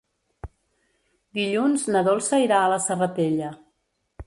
Dilluns na Dolça irà a la Serratella.